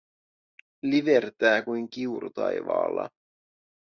Livertää kuin kiuru taivaalla.